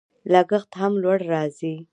لګښت هم لوړ راځي.